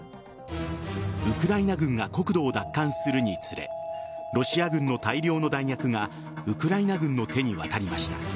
ウクライナ軍が国土を奪還するにつれロシア軍の大量の弾薬がウクライナ軍の手に渡りました。